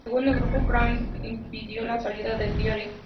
Según el Grupo Clarín esto impidió la salida del diario.